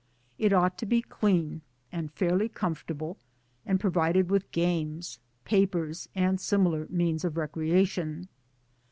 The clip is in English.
It ought to be clean and fairly com fortable and provided with games, papers, and similar means of recreation.